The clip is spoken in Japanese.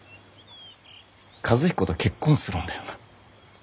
和彦と結婚するんだよな？